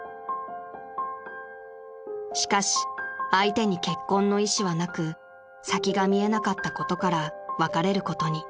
［しかし相手に結婚の意思はなく先が見えなかったことから別れることに］